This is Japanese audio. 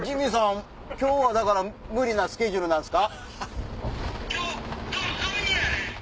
今日は無理なスケジュールなんすか？